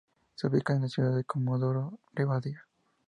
Se ubica en la ciudad de Comodoro Rivadavia.